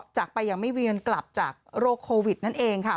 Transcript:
จากไปอย่างไม่เวียนกลับจากโรคโควิดนั่นเองค่ะ